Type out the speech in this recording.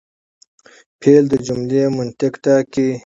فعل د جملې منطق ټاکي.